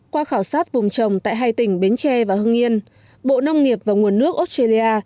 qua khảo sát vùng trồng tại hai tỉnh bến tre và hưng yên bộ nông nghiệp và nguồn nước australia